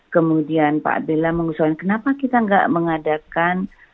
kemudian pak abella mengusulkan kenapa kita tidak mengadakan